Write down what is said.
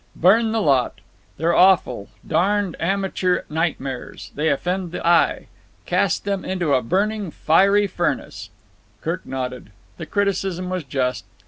"Burn the lot. They're awful. Darned amateur nightmares. They offend the eye. Cast them into a burning fiery furnace." Kirk nodded. The criticism was just.